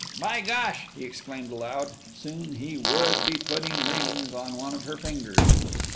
"By gosh!" he exclaimed aloud. Soon he would be putting rings on one of her fingers.